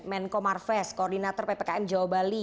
menko marves koordinator ppkm jawa bali